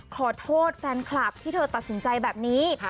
ขอโทษแฟนคลับที่เธอตัดสินใจแบบนี้